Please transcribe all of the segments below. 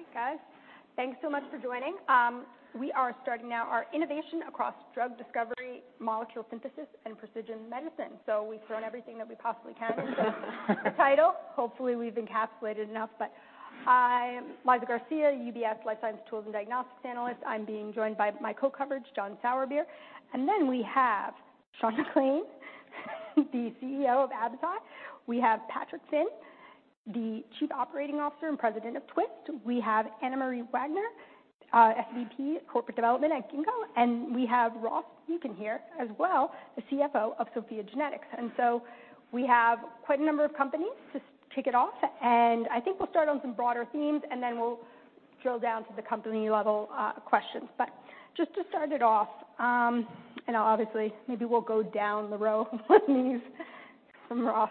All right, guys, thanks so much for joining. We are starting now our innovation across drug discovery, molecule synthesis, and precision medicine. We've thrown everything that we possibly can- -into the title. Hopefully, we've encapsulated enough. I'm Liza Garcia, UBS Life Sciences Tools and Diagnostics analyst. I'm being joined by my co-coverage, John Sourbeer. Then we have Sean McClain, the CEO of Absci. We have Patrick Finn, the Chief Operating Officer and President of Twist. We have Anna Marie Wagner, SVP, Corporate Development at Ginkgo, and we have Ross Muken here as well, the CFO of SOPHiA GENETICS. We have quite a number of companies to kick it off, and I think we'll start on some broader themes, then we'll drill down to the company-level questions. Just to start it off, and obviously, maybe we'll go down the row from Ross,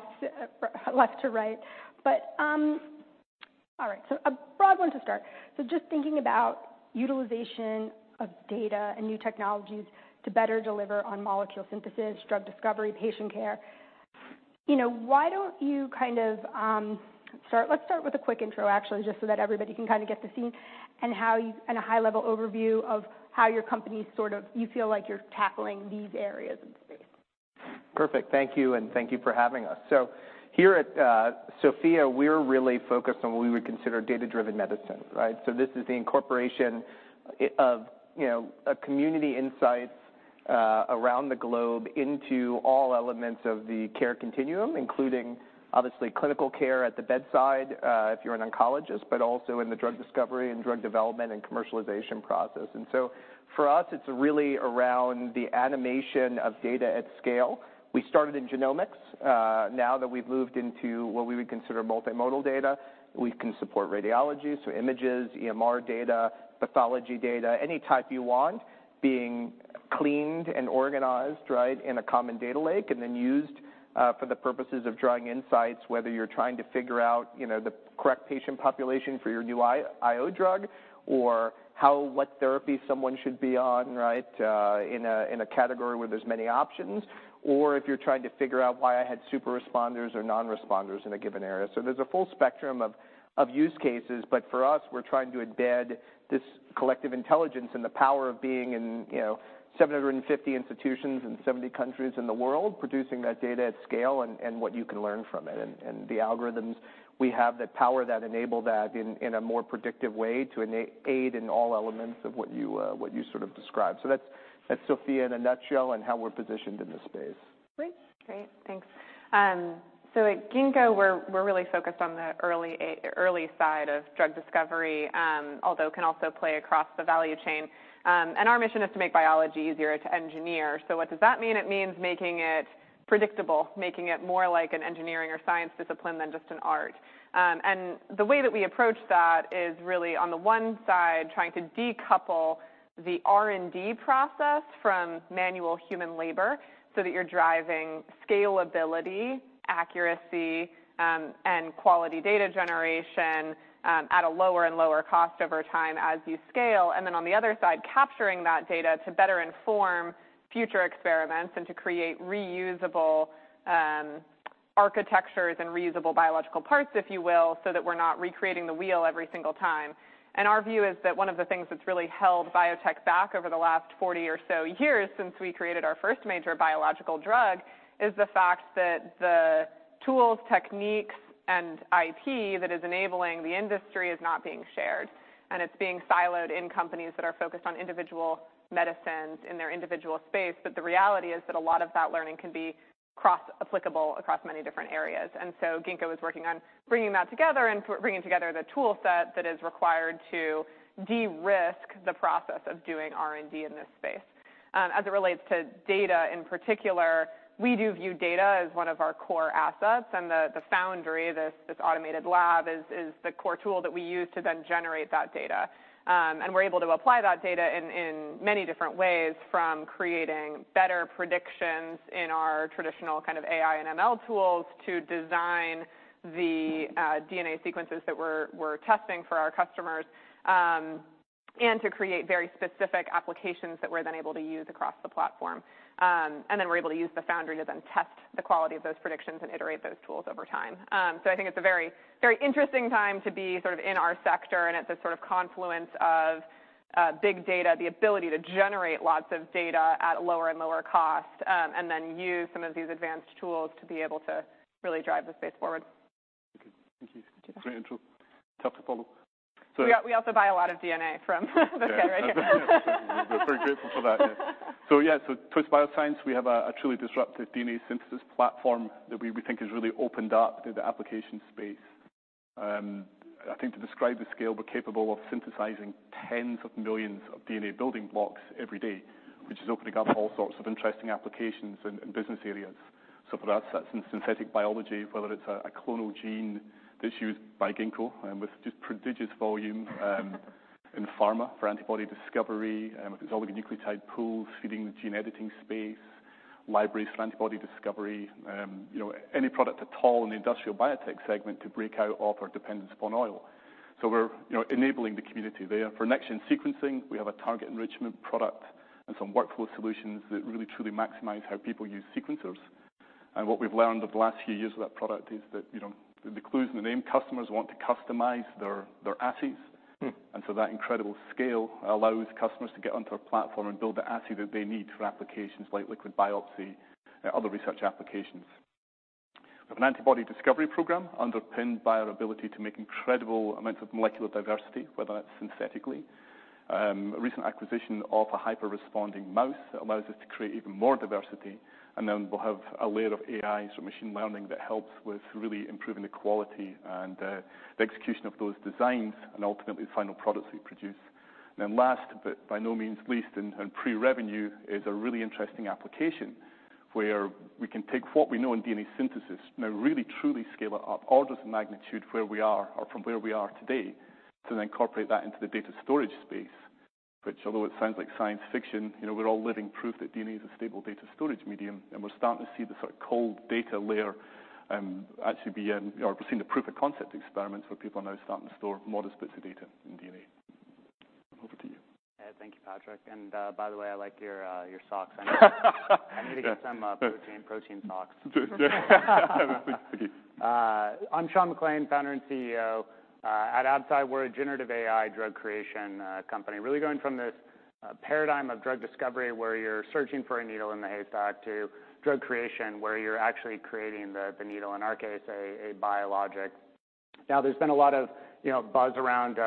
left to right. All right, a broad one to start. Just thinking about utilization of data and new technologies to better deliver on molecule synthesis, drug discovery, patient care, you know, why don't you kind of, Let's start with a quick intro, actually, just so that everybody can kind of get to see and how you. A high-level overview of how your company sort of, you feel like you're tackling these areas in space. Perfect. Thank you. Thank you for having us. Here at SOPHiA, we're really focused on what we would consider data-driven medicine, right? This is the incorporation of, you know, a community insights around the globe into all elements of the care continuum, including obviously, clinical care at the bedside, if you're an oncologist, but also in the drug discovery and drug development and commercialization process. For us, it's really around the animation of data at scale. We started in genomics. Now that we've moved into what we would consider multimodal data, we can support radiology, so images, EMR data, pathology data, any type you want, being cleaned and organized, right, in a common data lake, and then used for the purposes of drawing insights, whether you're trying to figure out, you know, the correct patient population for your new IO drug, or how, what therapy someone should be on, right, in a category where there's many options, or if you're trying to figure out why I had super responders or non-responders in a given area. There's a full spectrum of, of use cases, but for us, we're trying to embed this collective intelligence and the power of being in, you know, 750 institutions in 70 countries in the world, producing that data at scale and, and what you can learn from it, and, and the algorithms. We have the power that enable that in, in a more predictive way to aid in all elements of what you, what you sort of described. That's, that's SOPHiA in a nutshell and how we're positioned in this space. Great. Great, thanks. At Ginkgo, we're really focused on the early side of drug discovery, although can also play across the value chain. Our mission is to make biology easier to engineer. What does that mean? It means making it predictable, making it more like an engineering or science discipline than just an art. The way that we approach that is really, on the one side, trying to decouple the R&D process from manual human labor so that you're driving scalability, accuracy, and quality data generation at a lower and lower cost over time as you scale. Then on the other side, capturing that data to better inform future experiments and to create reusable architectures and reusable biological parts, if you will, so that we're not recreating the wheel every single time. Our view is that one of the things that's really held biotech back over the last 40 or so years, since we created our first major biologic drug, is the fact that the tools, techniques, and IP that is enabling the industry is not being shared, and it's being siloed in companies that are focused on individual medicines in their individual space. The reality is that a lot of that learning can be cross-applicable across many different areas. So Ginkgo is working on bringing that together and bringing together the toolset that is required to de-risk the process of doing R&D in this space. As it relates to data, in particular, we do view data as one of our core assets, and the, the Foundry, this, this automated lab is, is the core tool that we use to then generate that data. We're able to apply that data in, in many different ways, from creating better predictions in our traditional kind of AI and ML tools, to design the DNA sequences that we're, we're testing for our customers, and to create very specific applications that we're then able to use across the platform. Then we're able to use the Foundry to then test the quality of those predictions and iterate those tools over time. I think it's a very, very interesting time to be sort of in our sector and at this sort of confluence of big data, the ability to generate lots of data at a lower and lower cost, and then use some of these advanced tools to be able to really drive the space forward. Okay. Thank you. You're welcome. Great intro. Tough to follow. We, we also buy a lot of DNA from this guy right here. We're very grateful for that. Yeah. Yeah, Twist Bioscience, we have a, a truly disruptive DNA synthesis platform that we, we think has really opened up the application space. I think to describe the scale, we're capable of synthesizing tens of millions of DNA building blocks every day, which is opening up all sorts of interesting applications and, and business areas. For us, that's in synthetic biology, whether it's a, a clonal gene that's used by Ginkgo, and with just prodigious volume, in pharma for antibody discovery, it's all the nucleotide pools, feeding the gene editing space, libraries for antibody discovery, you know, any product at all in the industrial biotech segment to break out of our dependence upon oil. We're, you know, enabling the community there. For next-generation sequencing, we have a target enrichment product and some workflow solutions that really, truly maximize how people use sequencers. What we've learned over the last few years of that product is that, you know, the clue's in the name. Customers want to customize their, their assays. So that incredible scale allows customers to get onto our platform and build the assay that they need for applications like liquid biopsy and other research applications. We have an antibody discovery program underpinned by our ability to make incredible amounts of molecular diversity, whether that's synthetically. A recent acquisition of a hyper-responding mouse allows us to create even more diversity, then we'll have a layer of AI, so machine learning, that helps with really improving the quality and the execution of those designs and ultimately the final products we produce. Last, but by no means least, and pre-revenue, is a really interesting application, where we can take what we know in DNA synthesis and really truly scale it up orders of magnitude from where we are today, to then incorporate that into the DNA data storage space, which although it sounds like science fiction, you know, we're all living proof that DNA is a stable data storage medium, and we're starting to see the sort of cold data layer. Or we're seeing the proof of concept experiments, where people are now starting to store modest bits of data in DNA. Over to you. Yeah. Thank you, Patrick. By the way, I like your socks. I need to get some protein socks. I'm Sean McClain, founder and CEO. At Absci, we're a generative AI drug creation company, really going from this paradigm of drug discovery, where you're searching for a needle in the haystack, to drug creation, where you're actually creating the needle, in our case, a biologic. Now, there's been a lot of, you know, buzz around,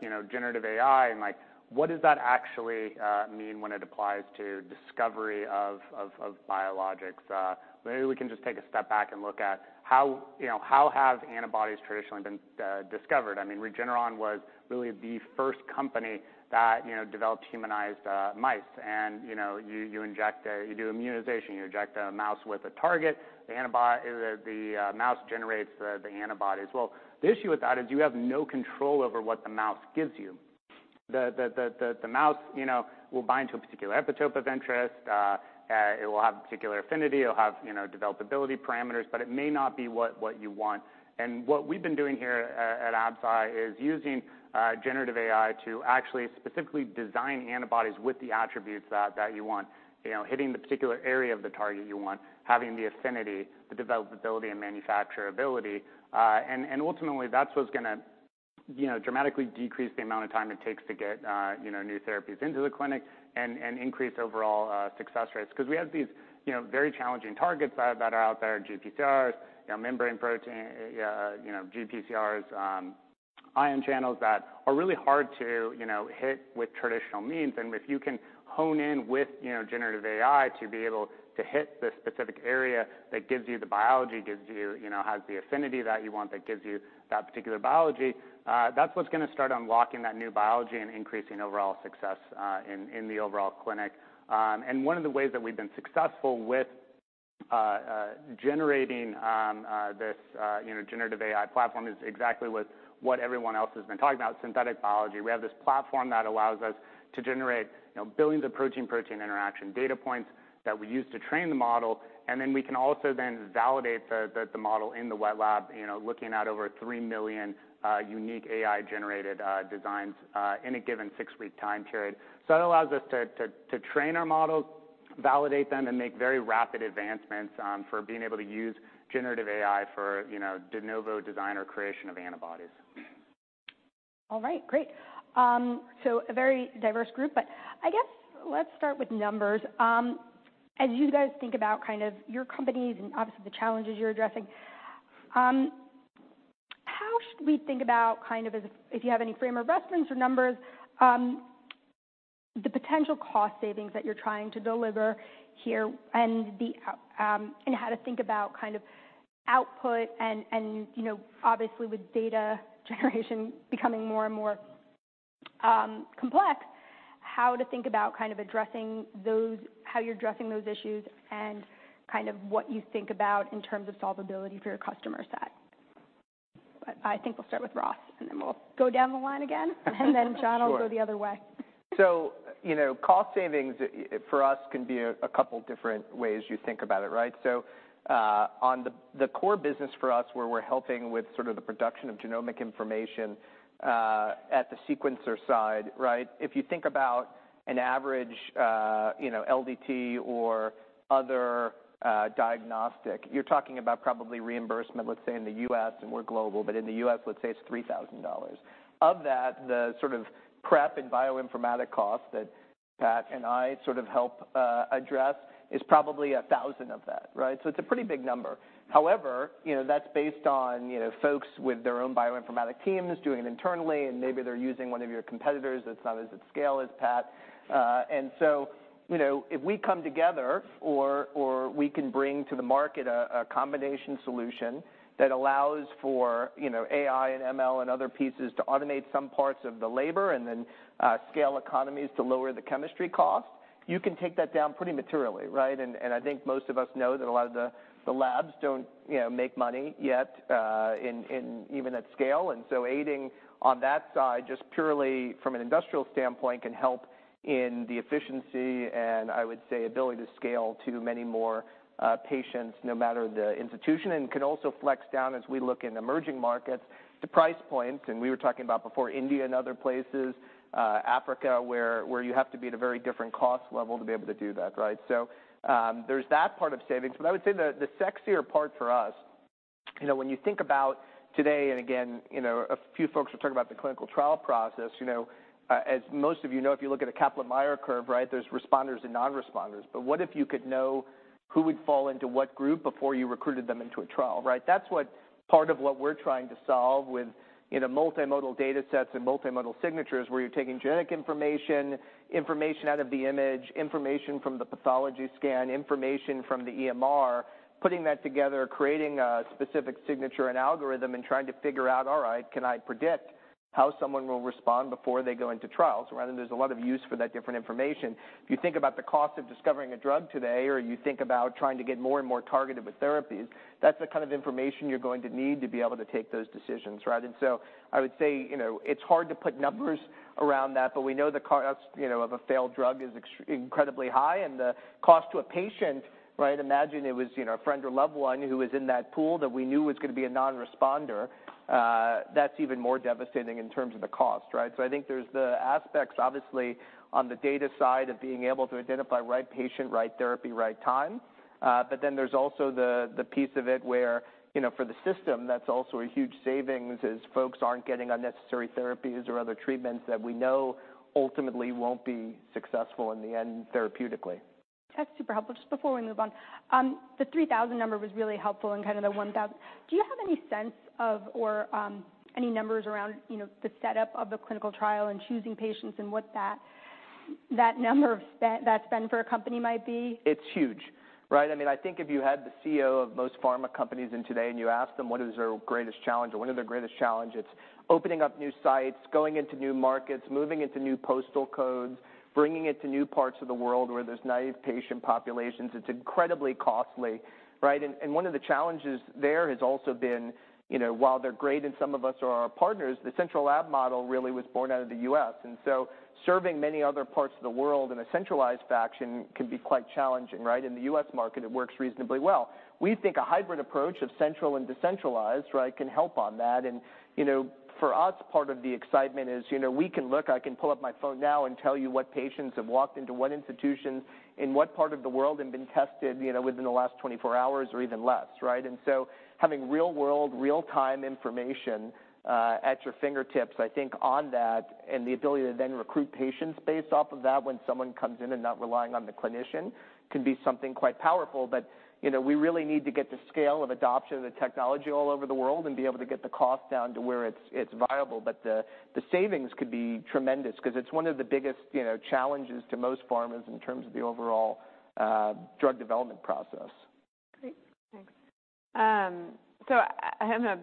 you know, generative AI, and, like, what does that actually mean when it applies to discovery of biologics? Maybe we can just take a step back and look at how, you know, how have antibodies traditionally been discovered? I mean, Regeneron was really the first company that, you know, developed humanized mice. You know, you, you inject a you do immunization, you inject a mouse with a target, the mouse generates the antibodies. Well, the issue with that is you have no control over what the mouse gives you. The mouse, you know, will bind to a particular epitope of interest, it will have a particular affinity, it'll have, you know, developability parameters, but it may not be what you want. What we've been doing here, at Absci, is using generative AI to actually specifically design antibodies with the attributes that you want. You know, hitting the particular area of the target you want, having the affinity, the developability, and manufacturability, and, and ultimately, that's what's gonna, you know, dramatically decrease the amount of time it takes to get, you know, new therapies into the clinic and, and increase overall success rates. 'Cause we have these, you know, very challenging targets that, that are out there, GPCRs, you know, membrane protein, you know, GPCRs, ion channels, that are really hard to, you know, hit with traditional means. If you can hone in with, you know, generative AI to be able to hit the specific area that gives you the biology, gives you. You know, has the affinity that you want, that gives you that particular biology, that's what's gonna start unlocking that new biology and increasing overall success, in, in the overall clinic. One of the ways that we've been successful with, generating, this, you know, generative AI platform is exactly what, what everyone else has been talking about: synthetic biology. We have this platform that allows us to generate, you know, billions of protein-protein interaction data points that we use to train the model, then we can also then validate the, the, the model in the wet lab, you know, looking at over 3 million, unique AI-generated, designs, in a given 6-week time period. That allows us to, to, to train our models, validate them, and make very rapid advancements, for being able to use generative AI for, you know, de novo design or creation of antibodies. All right. Great. A very diverse group, but I guess let's start with numbers. As you guys think about kind of your companies and obviously the challenges you're addressing, how should we think about kind of as if, if you have any frame of reference or numbers, the potential cost savings that you're trying to deliver here, and the and how to think about kind of output and, and, you know, obviously with data generation becoming more and more complex, how to think about kind of addressing how you're addressing those issues and kind of what you think about in terms of solvability for your customer set? I think we'll start with Ross, and then we'll go down the line again. Then, Sean- Sure. I'll go the other way. You know, cost savings for us, can be a couple different ways you think about it, right? On the core business for us, where we're helping with sort of the production of genomic information, at the sequencer side, right? If you think about an average, you know, LDT or other diagnostic, you're talking about probably reimbursement, let's say, in the US, and we're global, but in the US, let's say it's $3,000. Of that, the sort of prep and bioinformatic cost that Pat and I sort of help address is probably $1,000 of that, right? It's a pretty big number. However, you know, that's based on, you know, folks with their own bioinformatic teams doing it internally, and maybe they're using one of your competitors that's not as at scale as Pat. You know, if we come together or, or we can bring to the market a, a combination solution that allows for, you know, AI and ML and other pieces to automate some parts of the labor, then scale economies to lower the chemistry cost, you can take that down pretty materially, right? I think most of us know that a lot of the, the labs don't, you know, make money yet, in even at scale. Aiding on that side, just purely from an industrial standpoint, can help in the efficiency, and I would say ability to scale to many more patients, no matter the institution, and can also flex down as we look in emerging markets to price points. We were talking about before, India and other places, Africa, where, where you have to be at a very different cost level to be able to do that, right? There's that part of savings, but I would say the, the sexier part for us. You know, when you think about today, and again, you know, a few folks were talking about the clinical trial process. You know, as most of you know, if you look at a Kaplan-Meier curve, right, there's responders and non-responders. What if you could know who would fall into what group before you recruited them into a trial, right? That's what part of what we're trying to solve with, in a multimodal datasets and multimodal signatures, where you're taking genetic information, information out of the image, information from the pathology scan, information from the EMR, putting that together, creating a specific signature and algorithm, and trying to figure out, all right, can I predict how someone will respond before they go into trials? There's a lot of use for that different information. If you think about the cost of discovering a drug today, or you think about trying to get more and more targeted with therapies, that's the kind of information you're going to need to be able to take those decisions, right? I would say, you know, it's hard to put numbers around that, but we know the cost, you know, of a failed drug is incredibly high, and the cost to a patient, right? Imagine it was, you know, a friend or loved one who was in that pool that we knew was gonna be a non-responder, that's even more devastating in terms of the cost, right? I think there's the aspects, obviously, on the data side of being able to identify right patient, right therapy, right time, but then there's also the, the piece of it where, you know, for the system, that's also a huge savings, as folks aren't getting unnecessary therapies or other treatments that we know ultimately won't be successful in the end, therapeutically. That's super helpful. Just before we move on, the 3,000 number was really helpful and kind of the 1,000. Do you have any sense of, or any numbers around, you know, the setup of the clinical trial and choosing patients and what that, that number of that spend for a company might be? It's huge, right? I mean, I think if you had the CEO of most pharma companies in today, and you asked them what is their greatest challenge or one of their greatest challenge, it's opening up new sites, going into new markets, moving into new postal codes, bringing it to new parts of the world where there's naive patient populations. It's incredibly costly, right? One of the challenges there has also been, you know, while they're great, and some of us are our partners, the central lab model really was born out of the US. Serving many other parts of the world in a centralized fashion can be quite challenging, right? In the US market, it works reasonably well. We think a hybrid approach of central and decentralized, right, can help on that. You know, for us, part of the excitement is, you know, we can look... I can pull up my phone now and tell you what patients have walked into what institutions in what part of the world and been tested, you know, within the last 24 hours or even less, right? Having real-world, real-time information at your fingertips, I think on that, and the ability to then recruit patients based off of that when someone comes in and not relying on the clinician, can be something quite powerful. You know, we really need to get the scale of adoption of the technology all over the world and be able to get the cost down to where it's, it's viable. The, the savings could be tremendous because it's one of the biggest, you know, challenges to most pharmas in terms of the overall, drug development process. Great. Thanks. I'm gonna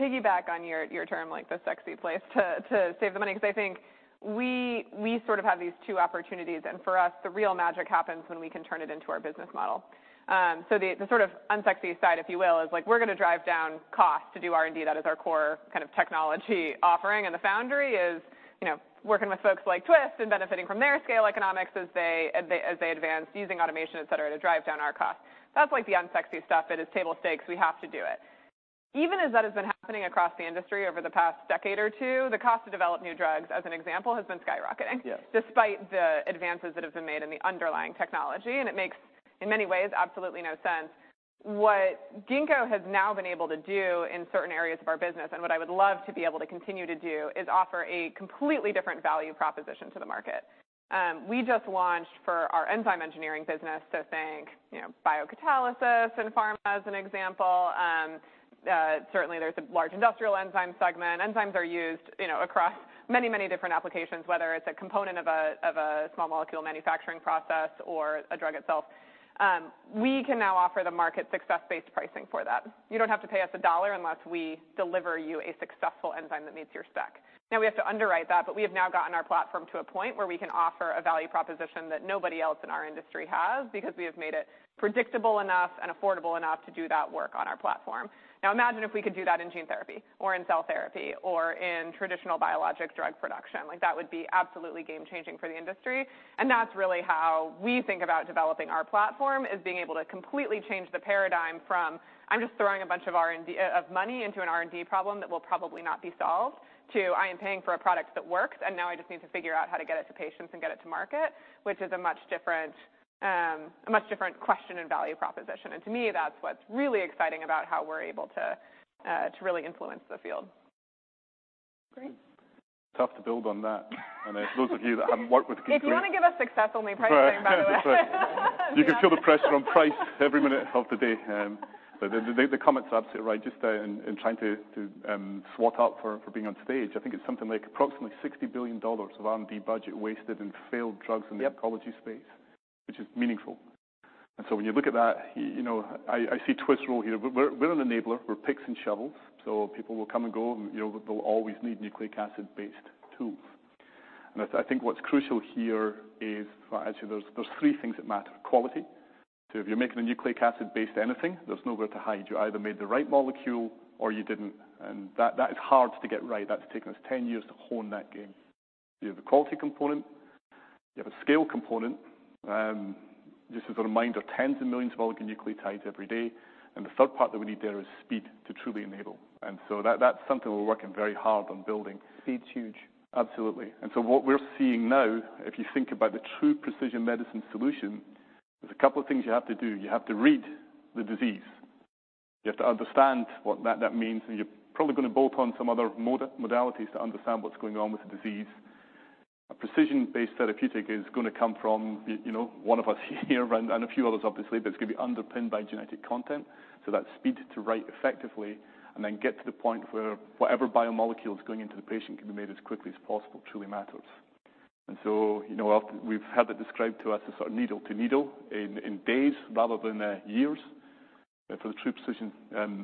piggyback on your, your term, like, the sexy place to, to save the money, 'cause I think we, we sort of have these two opportunities. For us, the real magic happens when we can turn it into our business model. The, the sort of unsexy side, if you will, is like, we're gonna drive down cost to do R&D. That is our core kind of technology offering. The foundry is, you know, working with folks like Twist and benefiting from their scale economics as they, as they, as they advance, using automation, et cetera, to drive down our costs. That's like the unsexy stuff. It is table stakes. We have to do it. Even as that has been happening across the industry over the past decade or two, the cost to develop new drugs, as an example, has been skyrocketing. Yes... despite the advances that have been made in the underlying technology, and it makes, in many ways, absolutely no sense. What Ginkgo has now been able to do in certain areas of our business, and what I would love to be able to continue to do, is offer a completely different value proposition to the market. We just launched for our enzyme engineering business, so think, you know, biocatalysis and pharma, as an example. Certainly there's a large industrial enzyme segment. Enzymes are used, you know, across many, many different applications, whether it's a component of a, of a small molecule manufacturing process or a drug itself. We can now offer the market success-based pricing for that. You don't have to pay us $1 unless we deliver you a successful enzyme that meets your spec. We have to underwrite that, but we have now gotten our platform to a point where we can offer a value proposition that nobody else in our industry has because we have made it predictable enough and affordable enough to do that work on our platform. Imagine if we could do that in gene therapy or in cell therapy or in traditional biologic drug production. That would be absolutely game-changing for the industry, and that's really how we think about developing our platform, is being able to completely change the paradigm from, "I'm just throwing a bunch of R&D... of money into an R&D problem that will probably not be solved," to, "I am paying for a product that works, and now I just need to figure out how to get it to patients and get it to market," which is a much different, a much different question and value proposition. To me, that's what's really exciting about how we're able to, to really influence the field. Great. It's tough to build on that. Those of you that haven't worked with Ginkgo- If you want to give us success-only pricing, by the way. That's right. You can feel the pressure on price every minute of the day. The, the, the comment's absolutely right. Just in, in trying to, to, swat up for, for being on stage, I think it's something like approximately $60 billion of R&D budget wasted in failed drugs. Yep in the oncology space, which is meaningful. When you look at that, you know, I, I see Twist role here. We're, we're an enabler. We're picks and shovels, so people will come and go, and, you know, they'll always need nucleic acid-based tools. I, I think what's crucial here is. Well, actually, there's, there's three things that matter. Quality, so if you're making a nucleic acid-based anything, there's nowhere to hide. You either made the right molecule or you didn't, and that, that is hard to get right. That's taken us 10 years to hone that game. You have the quality component, you have a scale component, just as a reminder, tens of millions of oligonucleotides every day, and the third part that we need there is speed to truly enable. That, that's something we're working very hard on building. Speed's huge. Absolutely. What we're seeing now, if you think about the true precision medicine solution. There's a couple of things you have to do. You have to read the disease. You have to understand what that, that means, and you're probably gonna bolt on some other modalities to understand what's going on with the disease. A precision-based therapeutic is gonna come from, you, you know, one of us here, and, and a few others, obviously, but it's gonna be underpinned by genetic content. That speed to right effectively, and then get to the point where whatever biomolecule is going into the patient can be made as quickly as possible, truly matters. You know, often we've had it described to us as sort of needle to needle in, in days rather than years. For the true precision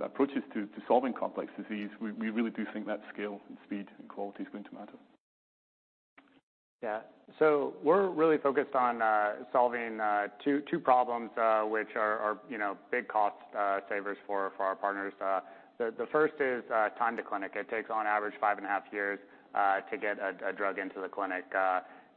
approaches to solving complex disease, we really do think that scale and speed and quality is going to matter. Yeah. We're really focused on solving two, two problems, which are, you know, big cost savers for our partners. The first is time to clinic. It takes, on average, 5.5 years to get a drug into the clinic.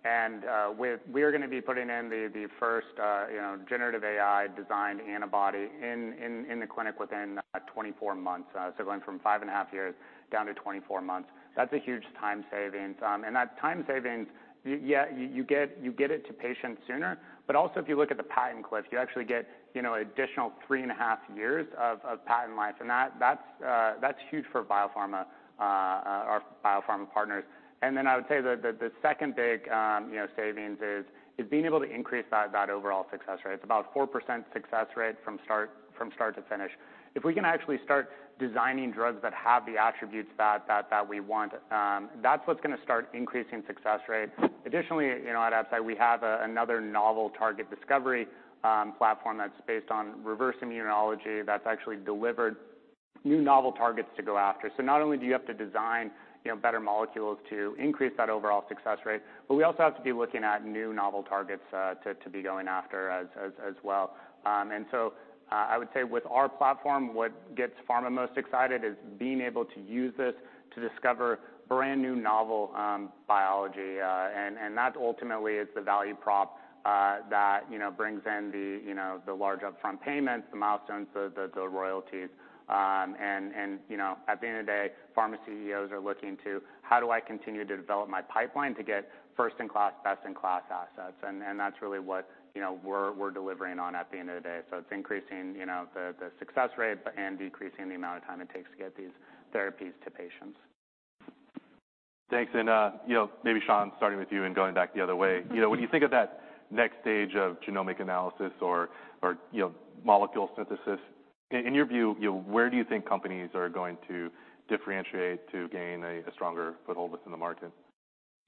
We're gonna be putting in the first, you know, generative AI-designed antibody in the clinic within 24 months. Going from 5.5 years down to 24 months, that's a huge time saving. That time savings, yeah, you get, you get it to patients sooner. Also, if you look at the patent cliff, you actually get, you know, additional 3.5 years of patent life, and that's huge for biopharma, our biopharma partners. Then I would say that the, the second big, you know, savings is, is being able to increase that, that overall success rate. It's about 4% success rate from start, from start to finish. If we can actually start designing drugs that have the attributes that, that, that we want, that's what's gonna start increasing success rate. Additionally, you know, at Absci, we have a, another novel target discovery platform that's based on reverse immunology, that's actually delivered new novel targets to go after. Not only do you have to design, you know, better molecules to increase that overall success rate, but we also have to be looking at new novel targets to, to be going after as, as, as well. I would say with our platform, what gets pharma most excited is being able to use this to discover brand-new novel biology, and that ultimately is the value prop that, you know, brings in the, you know, the large upfront payments, the milestones, the royalties. At the end of the day, pharma CEOs are looking to, "How do I continue to develop my pipeline to get first-in-class, best-in-class assets?" That's really what, you know, we're, we're delivering on at the end of the day. It's increasing, you know, the success rate, but and decreasing the amount of time it takes to get these therapies to patients. Thanks. You know, maybe, Sean, starting with you and going back the other way. You know, when you think of that next stage of genomic analysis or, or, you know, molecule synthesis, in your view, you know, where do you think companies are going to differentiate to gain a, a stronger foothold within the market? Yeah,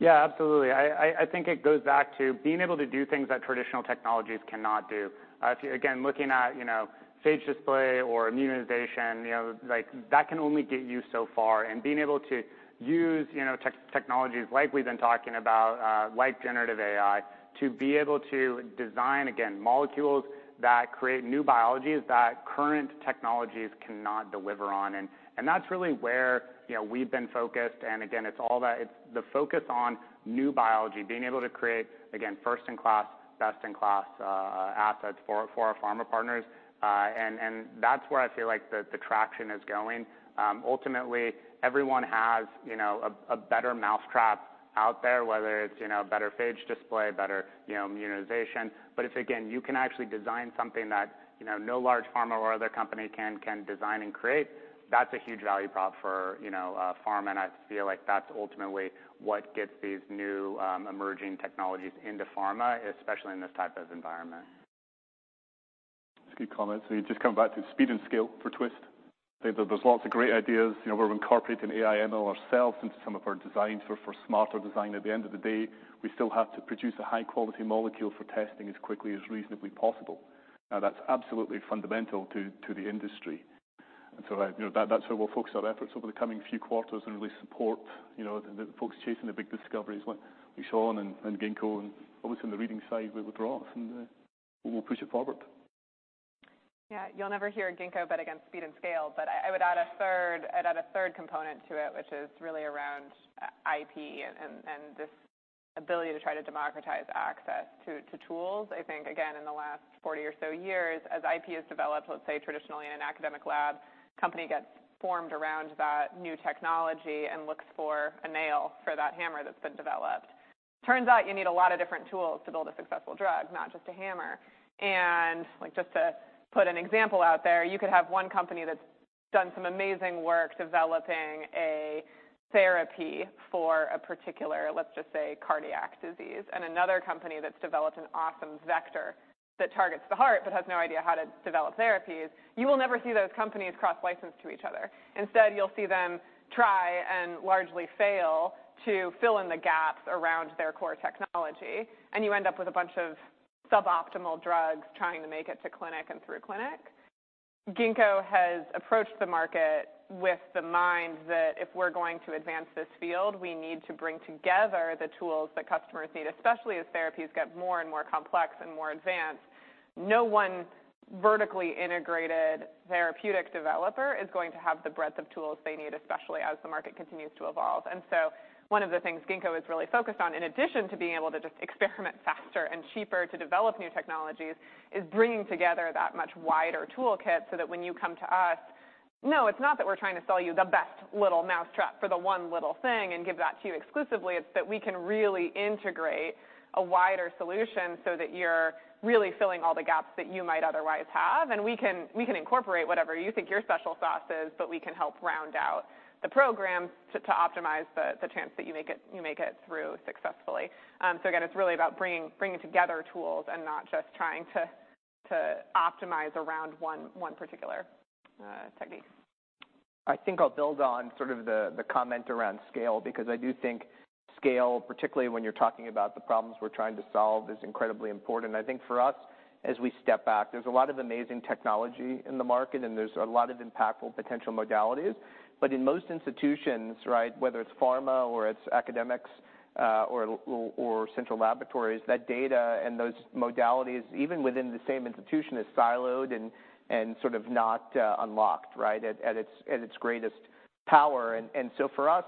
absolutely. I, I, I think it goes back to being able to do things that traditional technologies cannot do. If you... Again, looking at, you know, phage display or immunization, you know, like, that can only get you so far. Being able to use, you know, technologies like we've been talking about, like generative AI, to be able to design, again, molecules that create new biologies that current technologies cannot deliver on, That's really where, you know, we've been focused. Again, it's the focus on new biology, being able to create, again, first-in-class, best-in-class assets for our, for our pharma partners. That's where I feel like the, the traction is going. Ultimately, everyone has, you know, a, a better mousetrap out there, whether it's, you know, better phage display, better, you know, immunization. If, again, you can actually design something that, you know, no large pharma or other company can, can design and create, that's a huge value prop for, you know, pharma, and I feel like that's ultimately what gets these new, emerging technologies into pharma, especially in this type of environment. It's a good comment. You just come back to speed and scale for Twist. There, there's lots of great ideas. You know, we're incorporating AI, ML ourselves into some of our designs for, for smarter design. At the end of the day, we still have to produce a high-quality molecule for testing as quickly as reasonably possible. Now, that's absolutely fundamental to, to the industry. That, you know, that's where we'll focus our efforts over the coming few quarters and really support, you know, the, the folks chasing the big discoveries, like with Sean and, and Ginkgo, and obviously on the reading side with, with Ross, and we will push it forward. Yeah. You'll never hear Ginkgo bet against speed and scale, but I would add a third... I'd add a third component to it, which is really around IP and this ability to try to democratize access to tools. I think, again, in the last 40 or so years, as IP has developed, let's say, traditionally in an academic lab, company gets formed around that new technology and looks for a nail for that hammer that's been developed. Turns out you need a lot of different tools to build a successful drug, not just a hammer. like, just to put an example out there, you could have one company that's done some amazing work developing a therapy for a particular, let's just say, cardiac disease, and another company that's developed an awesome vector that targets the heart, but has no idea how to develop therapies. You will never see those companies cross-license to each other. Instead, you'll see them try and largely fail to fill in the gaps around their core technology, and you end up with a bunch of suboptimal drugs trying to make it to clinic and through clinic. Ginkgo has approached the market with the mind that if we're going to advance this field, we need to bring together the tools that customers need, especially as therapies get more and more complex and more advanced. No one vertically integrated therapeutic developer is going to have the breadth of tools they need, especially as the market continues to evolve. One of the things Ginkgo is really focused on, in addition to being able to just experiment faster and cheaper to develop new technologies, is bringing together that much wider toolkit, so that when you come to us. No, it's not that we're trying to sell you the best little mousetrap for the one little thing and give that to you exclusively. It's that we can really integrate a wider solution so that you're really filling all the gaps that you might otherwise have, and we can incorporate whatever you think your special sauce is, but we can help round out the program to optimize the chance that you make it, you make it through successfully. Again, it's really about bringing together tools and not just trying to optimize around one particular technique. I think I'll build on sort of the, the comment around scale, because I do think scale, particularly when you're talking about the problems we're trying to solve, is incredibly important. I think for us, as we step back, there's a lot of amazing technology in the market, and there's a lot of impactful potential modalities. In most institutions, right, whether it's pharma or it's academics, or central laboratories, that data and those modalities, even within the same institution, is siloed and, and sort of not, unlocked, right, at, at its, at its greatest power. So for us,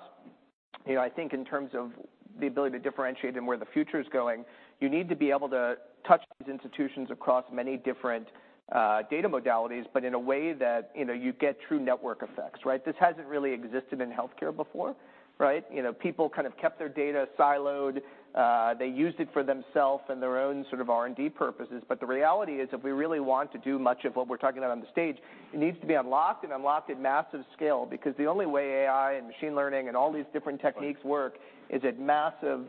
you know, I think in terms of the ability to differentiate and where the future is going, you need to be able to touch these institutions across many different, data modalities, but in a way that, you know, you get true network effects, right? This hasn't really existed in healthcare before, right? You know, people kind of kept their data siloed. They used it for themself and their own sort of R&D purposes. The reality is, if we really want to do much of what we're talking about on the stage, it needs to be unlocked and unlocked at massive scale, because the only way AI and machine learning and all these different techniques work is at massive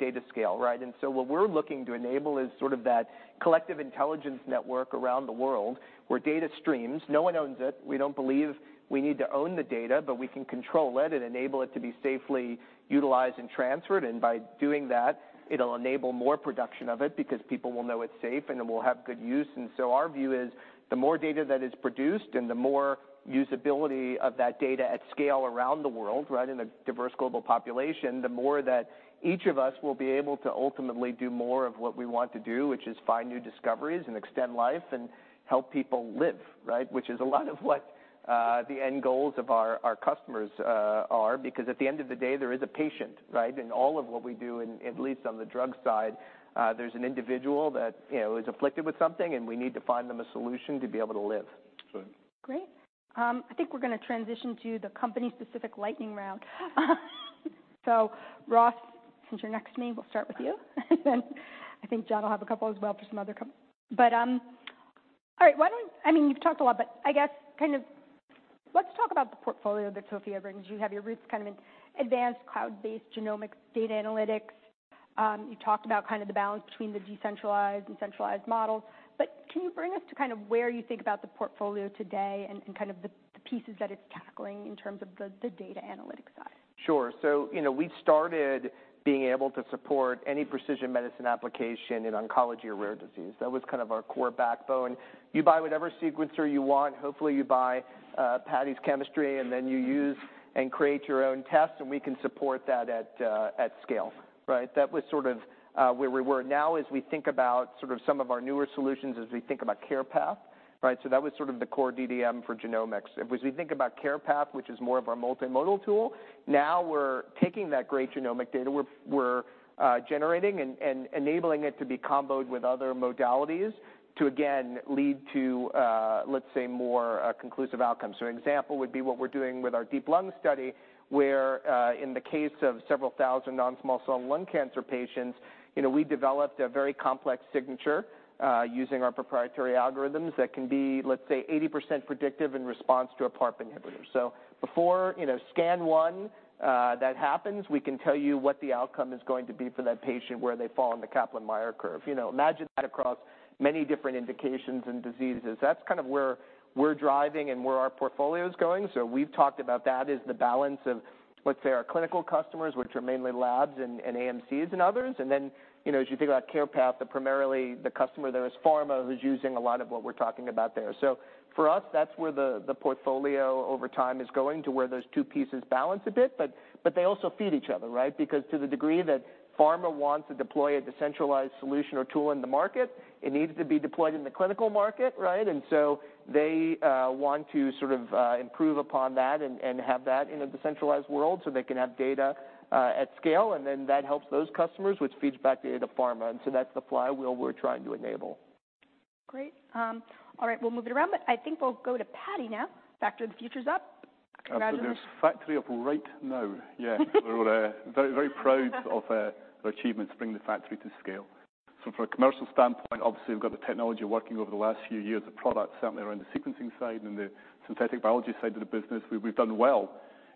data scale, right? What we're looking to enable is sort of that collective intelligence network around the world, where data streams, no one owns it. We don't believe we need to own the data, but we can control it and enable it to be safely utilized and transferred. By doing that, it'll enable more production of it because people will know it's safe, and it will have good use. Our view is, the more data that is produced and the more usability of that data at scale around the world, right, in a diverse global population, the more that each of us will be able to ultimately do more of what we want to do, which is find new discoveries and extend life and help people live, right? Which is a lot of what the end goals of our, our customers, are, because at the end of the day, there is a patient, right? In all of what we do, in at least on the drug side, there's an individual that, you know, is afflicted with something, and we need to find them a solution to be able to live. Sure. Great. I think we're gonna transition to the company-specific lightning round. Ross, since you're next to me, we'll start with you. Then I think John will have a couple as well for some other com- All right, why don't... I mean, you've talked a lot, but I guess kind of let's talk about the portfolio that SOPHiA brings. You have your roots kind of in advanced cloud-based genomics, data analytics. You talked about kind of the balance between the decentralized and centralized models. Can you bring us to kind of where you think about the portfolio today and, and kind of the, the pieces that it's tackling in terms of the, the data analytics side? Sure. You know, we started being able to support any precision medicine application in oncology or rare disease. That was kind of our core backbone. You buy whatever sequencer you want. Hopefully, you buy Paddy's chemistry, and then you use and create your own test, and we can support that at scale, right? That was sort of where we were. Now, as we think about sort of some of our newer solutions, as we think about CarePath, right? That was sort of the core DDM for genomics. As we think about CarePath, which is more of our multimodal tool, now we're taking that great genomic data, we're, we're generating and enabling it to be comboed with other modalities to, again, lead to, let's say, more conclusive outcomes. An example would be what we're doing with our DEEP-Lung study, where, in the case of several thousand non-small cell lung cancer patients, you know, we developed a very complex signature, using our proprietary algorithms that can be, let's say, 80% predictive in response to a PARP inhibitor. Before, you know, scan 1, that happens, we can tell you what the outcome is going to be for that patient, where they fall in the Kaplan-Meier curve. You know, imagine that across many different indications and diseases. That's kind of where we're driving and where our portfolio is going. We've talked about that as the balance of, let's say, our clinical customers, which are mainly labs and, AMCs and others. You know, as you think about CarePath, primarily the customer there is pharma, who's using a lot of what we're talking about there. For us, that's where the portfolio over time is going, to where those two pieces balance a bit. But they also feed each other, right? Because to the degree that pharma wants to deploy a decentralized solution or tool in the market, it needs to be deployed in the clinical market, right? They want to sort of improve upon that and have that in a decentralized world, so they can have data at scale, and then that helps those customers, which feeds back into data pharma. That's the flywheel we're trying to enable. Great. All right, we'll move it around, but I think we'll go to Paddy now. Factory of the Future's up. Congratulations. Absolutely. Factory up right now. Yeah. We're very, very proud of the achievements to bring the factory to scale. From a commercial standpoint, obviously, we've got the technology working over the last few years, the products certainly around the sequencing side and the synthetic biology side of the business. We've done well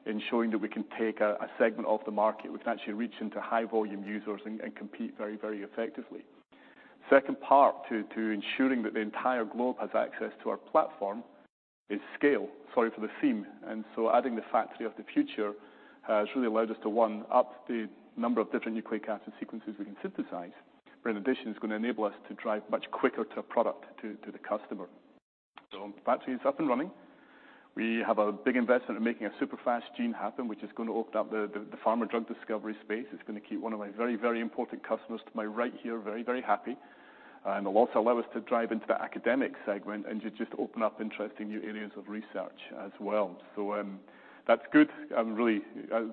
in showing that we can take a segment of the market. We can actually reach into high volume users and compete very, very effectively. Second part, to ensuring that the entire globe has access to our platform is scale. Sorry for the theme. Adding the Factory of the Future has really allowed us to, one, up the number of different nucleic acid sequences we can synthesize, but in addition, it's gonna enable us to drive much quicker to product to the customer. Factory is up and running. We have a big investment in making a super-fast gene happen, which is gonna open up the, the pharma drug discovery space. It's gonna keep one of my very, very important customers to my right here very, very happy, and will also allow us to drive into the academic segment and to just open up interesting new areas of research as well. That's good. I'm really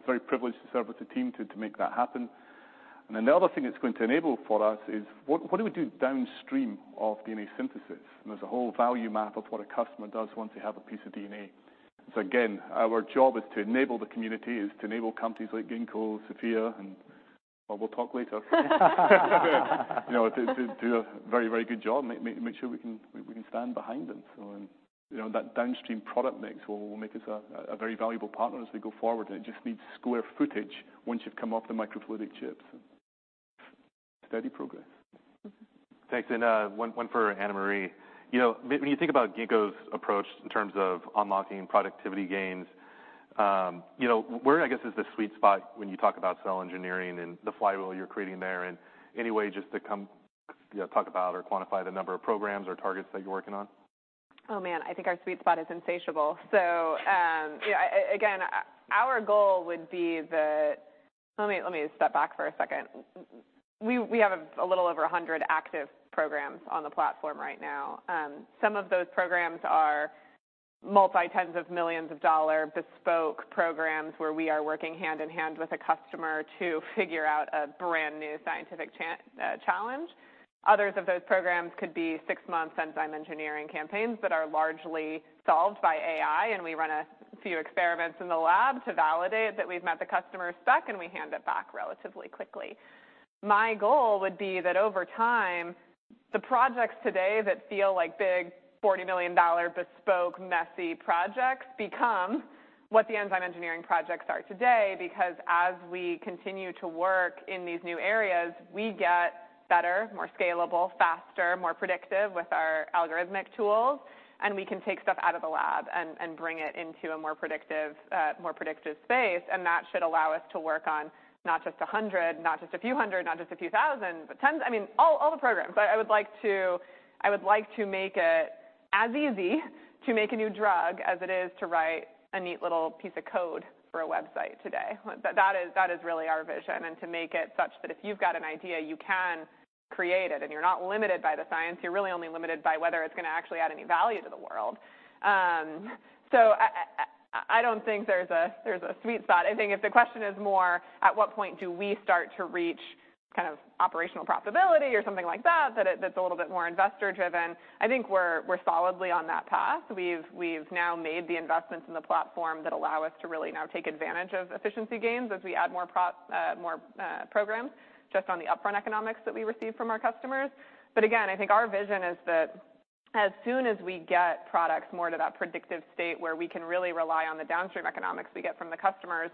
very privileged to serve with the team to, to make that happen. Then the other thing it's going to enable for us is what, what do we do downstream of DNA synthesis? There's a whole value map of what a customer does once they have a piece of DNA. Again, our job is to enable the community, is to enable companies like Ginkgo, SOPHiA, and, well, we'll talk later. You know, to do a very, very good job, make sure we can, we can stand behind them. You know, that downstream product mix will, will make us a, a very valuable partner as we go forward, and it just needs square footage once you've come off the microfluidic chips. Steady progress. Thanks. One, one for Anna Marie. You know, when, when you think about Ginkgo's approach in terms of unlocking productivity gains, you know, where, I guess, is the sweet spot when you talk about cell engineering and the flywheel you're creating there? Any way just to come, you know, talk about or quantify the number of programs or targets that you're working on? Oh, man, I think our sweet spot is insatiable. Yeah, again, our goal would be the. Let me, let me step back for a second. We have a little over 100 active programs on the platform right now. Some of those programs are multi-tens of millions of dollar bespoke programs, where we are working hand in hand with a customer to figure out a brand-new scientific challenge. Others of those programs could be six-month enzyme engineering campaigns that are largely solved by AI, and we run a few experiments in the lab to validate that we've met the customer's spec, and we hand it back relatively quickly. My goal would be that over time, the projects today that feel like big, 40 million dollar bespoke, messy projects become what the enzyme engineering projects are today. As we continue to work in these new areas, we get better, more scalable, faster, more predictive with our algorithmic tools, and we can take stuff out of the lab and bring it into a more predictive, more predictive space. That should allow us to work on not just 100, not just a few 100, not just a few 1,000, but tens, I mean, all the programs. I would like to make it as easy to make a new drug as it is to write a neat little piece of code for a website today. That, that is, that is really our vision, and to make it such that if you've got an idea, you can create it, and you're not limited by the science. You're really only limited by whether it's gonna actually add any value to the world. I, I, I don't think there's a, there's a sweet spot. I think if the question is more, at what point do we start to reach kind of operational profitability or something like that, that's a little bit more investor-driven, I think we're, we're solidly on that path. We've, we've now made the investments in the platform that allow us to really now take advantage of efficiency gains as we add more programs, just on the upfront economics that we receive from our customers. Again, I think our vision is that as soon as we get products more to that predictive state, where we can really rely on the downstream economics we get from the customers,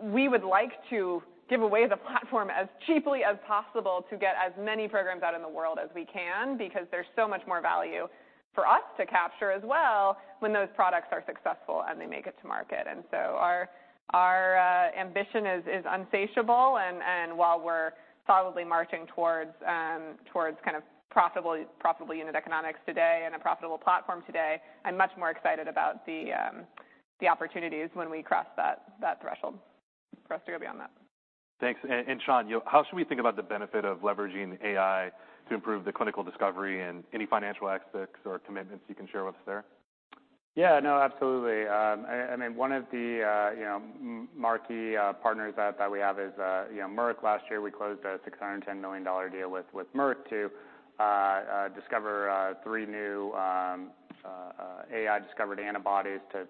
we would like to give away the platform as cheaply as possible to get as many programs out in the world as we can. There's so much more value for us to capture as well when those products are successful, and they make it to market. Our, our ambition is, is insatiable, and, and while we're solidly marching towards, towards kind of profitably, profitable unit economics today and a profitable platform today, I'm much more excited about the, the opportunities when we cross that, that threshold for us to go beyond that. Thanks. Sean, how should we think about the benefit of leveraging AI to improve the clinical discovery, and any financial aspects or commitments you can share with us there? Yeah, no, absolutely. One of the, you know, marquee partners that, that we have is, you know, Merck. Last year, we closed a $610 million deal with Merck to discover three new AI-discovered antibodies to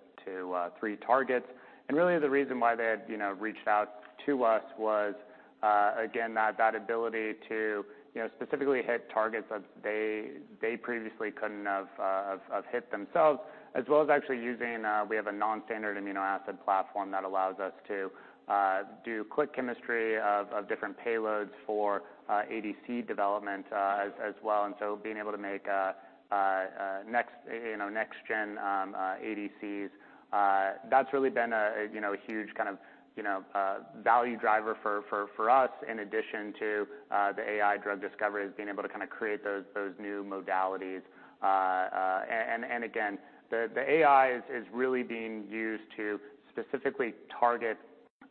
three targets. Really, the reason why they had, you know, reached out to us was, again, that, that ability to, you know, specifically hit targets that they, they previously couldn't have hit themselves, as well as actually using. We have a non-standard amino acid platform that allows us to do click chemistry of different payloads for ADC development, as well. Being able to make a, a next, you know, next gen ADCs, that's really been a, a, you know, a huge kind of, you know, value driver for, for, for us, in addition to the AI drug discovery, is being able to kinda create those, those new modalities. Again, the, the AI is, is really being used to specifically target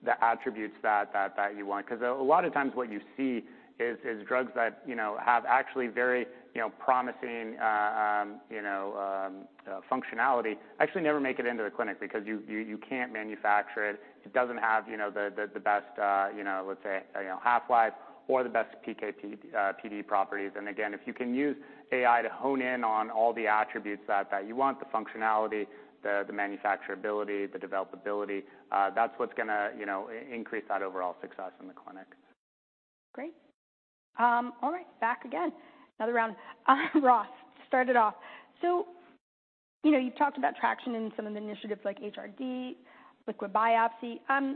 the attributes that, that, that you want. 'Cause a lot of times what you see is, is drugs that, you know, have actually very, you know, promising functionality actually never make it into the clinic because you, you, you can't manufacture it. It doesn't have, you know, the, the, the best, you know, let's say, you know, half-life or the best PK, PD, PD properties. Again, if you can use AI to hone in on all the attributes that, that you want, the functionality, the, the manufacturability, the developability, that's what's gonna, you know, increase that overall success in the clinic. Great. All right, back again. Another round. Ross, start it off. You know, you've talked about traction in some of the initiatives like HRD, liquid biopsy. Can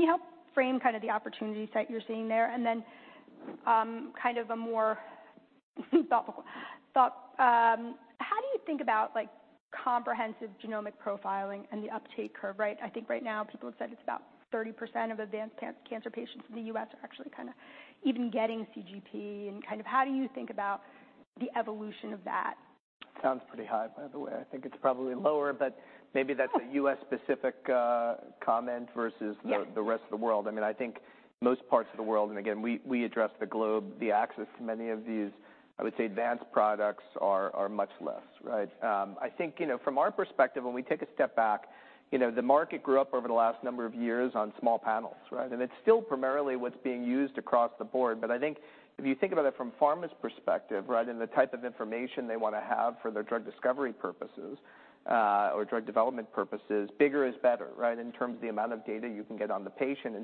you help frame kind of the opportunities that you're seeing there? Then, kind of a more thoughtful thought, how do you think about, like, comprehensive genomic profiling and the uptake curve, right? I think right now, people have said it's about 30% of advanced cancer patients in the US are actually kind of even getting CGP. Kind of how do you think about the evolution of that? Sounds pretty high, by the way. I think it's probably lower, but maybe that's a U.S.-specific comment versus- Yeah the rest of the world. I mean, I think most parts of the world, and again, we, we address the globe, the access to many of these, I would say, advanced products are, are much less, right? I think, you know, from our perspective, when we take a step back, you know, the market grew up over the last number of years on small panels, right? It's still primarily what's being used across the board, but I think if you think about it from pharma's perspective, right, and the type of information they wanna have for their drug discovery purposes, or drug development purposes, bigger is better, right, in terms of the amount of data you can get on the patient.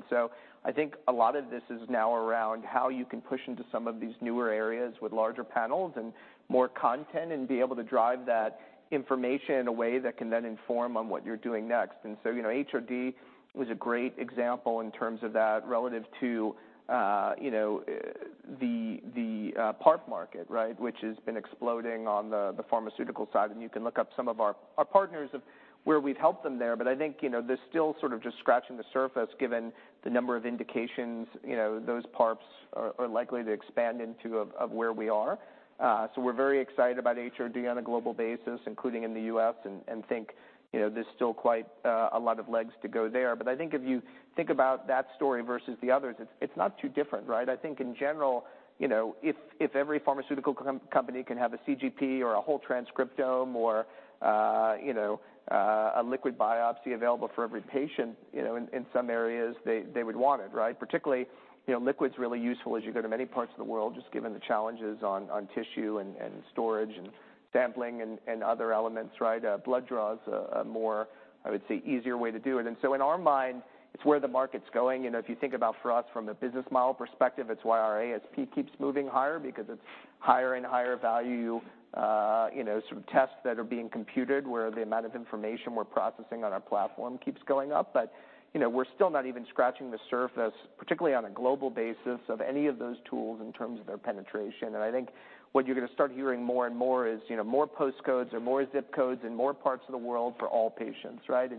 I think a lot of this is now around how you can push into some of these newer areas with larger panels and more content, and be able to drive that information in a way that can then inform on what you're doing next. You know, HRD was a great example in terms of that relative to, you know, the, the, PARP market, right, which has been exploding on the, the pharmaceutical side, and you can look up some of our, our partners of where we've helped them there. You know, they're still sort of just scratching the surface, given the number of indications, you know, those PARPs are, are likely to expand into of, of where we are. So we're very excited about HRD on a global basis, including in the US, and think, you know, there's still quite a lot of legs to go there. I think if you think about that story versus the others, it's not too different, right? I think in general, you know, if every pharmaceutical company can have a CGP or a whole transcriptome or, you know, a liquid biopsy available for every patient, you know, in some areas they would want it, right? Particularly, you know, liquid's really useful as you go to many parts of the world, just given the challenges on tissue, and storage, and sampling, and other elements, right? Blood draw is a more, I would say, easier way to do it. In our mind, it's where the market's going. You know, if you think about for us from a business model perspective, it's why our ASP keeps moving higher, because it's higher and higher value, you know, sort of tests that are being computed, where the amount of information we're processing on our platform keeps going up. You know, we're still not even scratching the surface, particularly on a global basis, of any of those tools in terms of their penetration. I think what you're gonna start hearing more and more is, you know, more post codes or more zip codes in more parts of the world for all patients, right?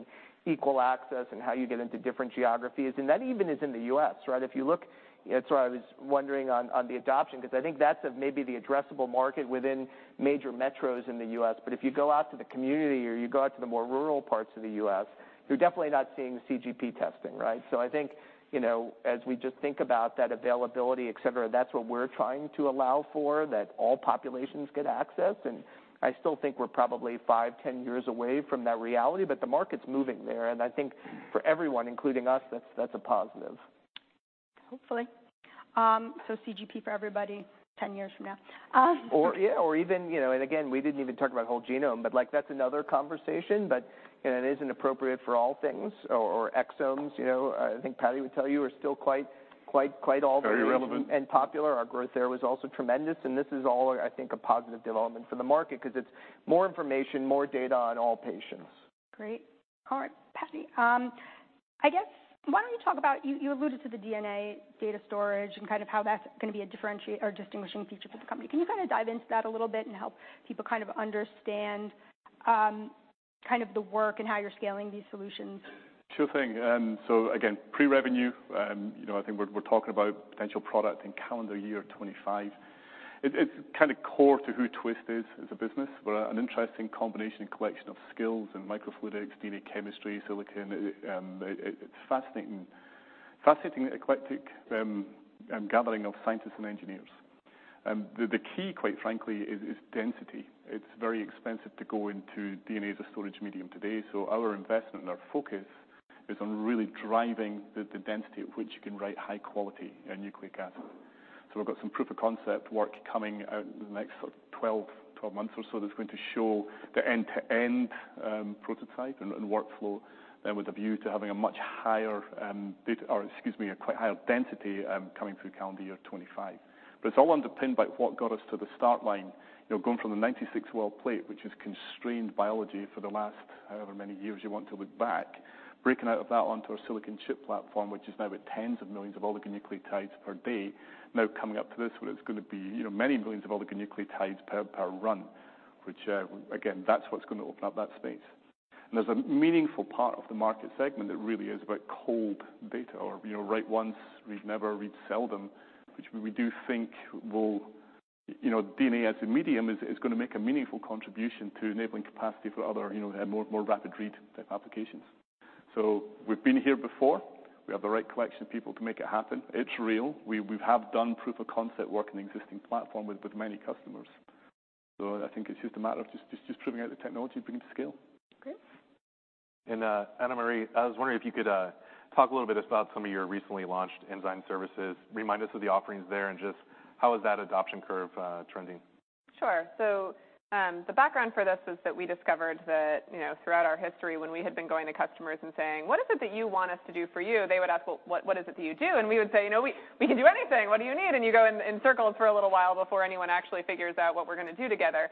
Equal access and how you get into different geographies, and that even is in the U.S., right? If you look... That's why I was wondering on, on the adoption, 'cause I think that's maybe the addressable market within major metros in the U.S. If you go out to the community or you go out to the more rural parts of the US, you're definitely not seeing CGP testing, right? I think, you know, as we just think about that availability, et cetera, that's what we're trying to allow for, that all populations get access, and I still think we're probably 5, 10 years away from that reality, but the market's moving there, and I think for everyone, including us, that's a positive. Hopefully. CGP for everybody 10 years from now. Yeah, or even, you know, and again, we didn't even talk about whole genome, but, like, that's another conversation. And it isn't appropriate for all things or, or exomes, you know, I think Paddy would tell you, are still quite, quite, quite all- Very relevant. Popular. Our growth there was also tremendous, and this is all, I think, a positive development for the market, 'cause it's more information, more data on all patients. Great. All right, Paddy, I guess why don't you talk about... You, you alluded to the DNA data storage and kind of how that's gonna be a differentiate or distinguishing feature for the company. Can you kind of dive into that a little bit and help people kind of understand, kind of the work and how you're scaling these solutions? Sure thing. Again, pre-revenue, you know, I think we're, we're talking about potential product in calendar year 25. It's kind of core to who Twist is as a business. We're an interesting combination and collection of skills in microfluidics, DNA, chemistry, silicon. It's fascinating, fascinating, eclectic gathering of scientists and engineers. The key, quite frankly, is density. It's very expensive to go into DNA as a storage medium today, so our investment and our focus is on really driving the density at which you can write high quality nucleic acid. We've got some proof of concept work coming out in the next sort of 12, 12 months or so that's going to show the end-to-end prototype and workflow, and with a view to having a much higher data, or excuse me, a quite higher density coming through calendar year 2025. It's all underpinned by what got us to the start line, you know, going from the 96-well plate, which is constrained biology for the last however many years you want to look back, breaking out of that onto our silicon chip platform, which is now at tens of millions of oligonucleotides per day. Coming up to this, where it's going to be, you know, many millions of oligonucleotides per run, which again, that's what's going to open up that space. There's a meaningful part of the market segment that really is about cold data or, you know, write once, read never, read seldom, which we do think will. You know, DNA as a medium is gonna make a meaningful contribution to enabling capacity for other, you know, more, more rapid read type applications. We've been here before. We have the right collection of people to make it happen. It's real. We have done proof of concept work in the existing platform with many customers. I think it's just a matter of just proving out the technology, bringing to scale. Great. Anna Marie, I was wondering if you could talk a little bit about some of your recently launched enzyme services. Remind us of the offerings there and just how is that adoption curve trending? Sure. The background for this is that we discovered that, you know, throughout our history, when we had been going to customers and saying, "What is it that you want us to do for you?" They would ask, "Well, what is it that you do?" We would say, "You know, we, we can do anything. What do you need?" You go in, in circles for a little while before anyone actually figures out what we're gonna do together.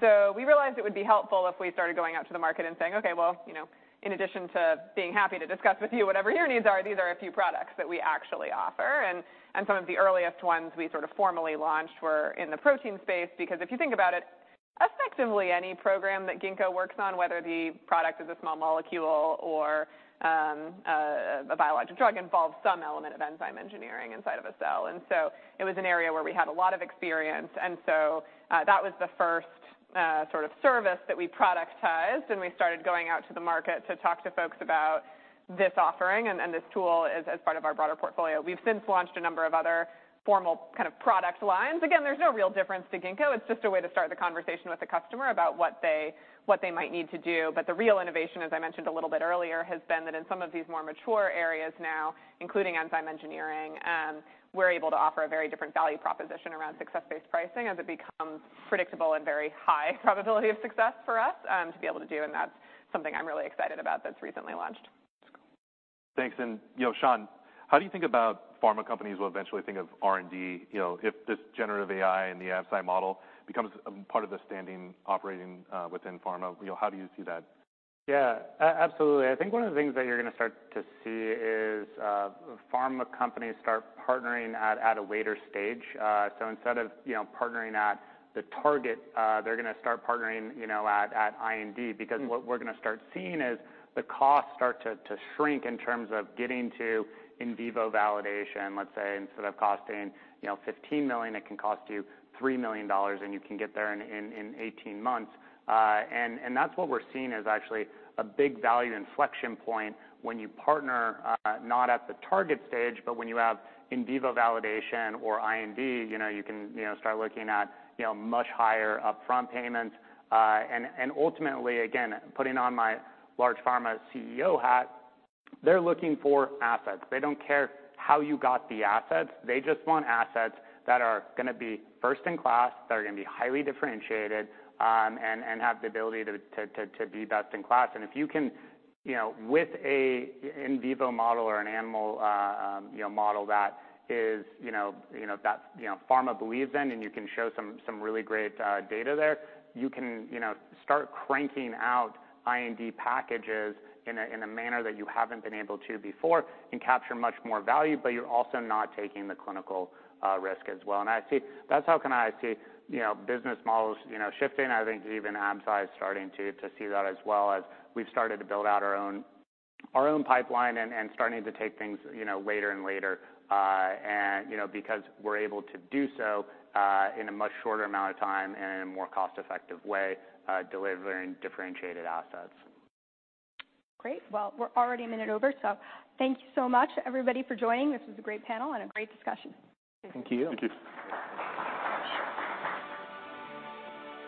So we realized it would be helpful if we started going out to the market and saying, "Okay, well, you know, in addition to being happy to discuss with you whatever your needs are, these are a few products that we actually offer." Some of the earliest ones we sort of formally launched were in the protein space, because if you think about it, effectively, any program that Ginkgo works on, whether the product is a small molecule or, the biologic drug involves some element of enzyme engineering inside of a cell. So it was an area where we had a lot of experience, and so, that was the first, sort of service that we productized. We started going out to the market to talk to folks about this offering, and this tool as part of our broader portfolio. We've since launched a number of other formal kind of product lines. Again, there's no real difference to Ginkgo. It's just a way to start the conversation with the customer about what they, what they might need to do. The real innovation, as I mentioned a little bit earlier, has been that in some of these more mature areas now, including enzyme engineering, we're able to offer a very different value proposition around success-based pricing as it becomes predictable and very high probability of success for us to be able to do, and that's something I'm really excited about that's recently launched. Thanks. You know, Sean McClain, how do you think about pharma companies will eventually think of R&D, you know, if this generative AI and the Absci model becomes a part of the standing operating, within pharma, you know, how do you see that? Absolutely. I think one of the things that you're gonna start to see is pharma companies start partnering at a later stage. Instead of, you know, partnering at the target, they're gonna start partnering, you know, at IND. Because what we're gonna start seeing is the costs start to shrink in terms of getting to in vivo validation. Let's say, instead of costing, you know, 15 million, it can cost you $3 million, and you can get there in 18 months. That's what we're seeing as actually a big value inflection point when you partner, not at the target stage, but when you have in vivo validation or IND, you know, you can, you know, start looking at, you know, much higher upfront payments. Ultimately, again, putting on my large pharma CEO hat, they're looking for assets. They don't care how you got the assets, they just want assets that are gonna be first-in-class, that are gonna be highly differentiated, and have the ability to be best-in-class. If you can, you know, with a in vivo model or an animal, you know, model that is, you know, you know, that, you know, pharma believes in, and you can show some, some really great data there, you can, you know, start cranking out IND packages in a, in a manner that you haven't been able to before and capture much more value, but you're also not taking the clinical risk as well. That's how can I see, you know, business models, you know, shifting. I think even Absci is starting to, to see that as well as we've started to build out our own, our own pipeline and, and starting to take things, you know, later and later, and, you know, because we're able to do so, in a much shorter amount of time and in a more cost-effective way, delivering differentiated assets. Great. Well, we're already 1 minute over, so thank you so much, everybody, for joining. This was a great panel and a great discussion. Thank you. Thank you.